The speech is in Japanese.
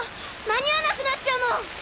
間に合わなくなっちゃうもん！